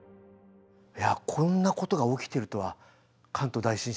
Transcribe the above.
いやこんなことが起きてるとは関東大震災で思いませんでした。